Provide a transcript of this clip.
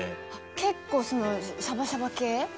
結構そのシャバシャバ系？